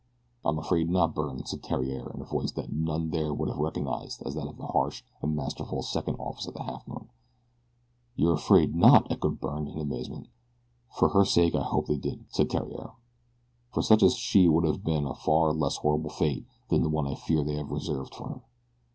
"I'm afraid not, Byrne," said Theriere, in a voice that none there would have recognized as that of the harsh and masterful second officer of the Halfmoon. "Yer afraid not!" echoed Billy Byrne, in amazement. "For her sake I hope that they did," said Theriere; "for such as she it would have been a far less horrible fate than the one I fear they have reserved her for."